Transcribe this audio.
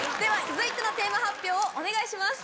続いてのテーマ発表をお願いします。